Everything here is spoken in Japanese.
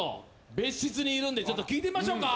別室にいるんでちょっと聞いてみましょうか？